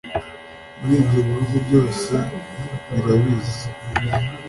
Muri ibyo bihugu byose birabizi